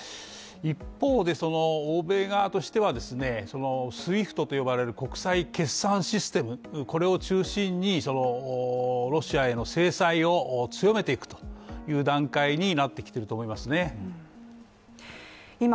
一方で、欧米側としてはＳＷＩＦＴと呼ばれる国際決済システム、これを中心にロシアへの制裁を強めていくという段階になってきていると思いますね。